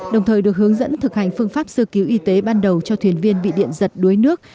đồng thời được hướng dẫn thực hành phương pháp sơ cứu y tế ban đầu cho thuyền viên bị điện giật đuối nước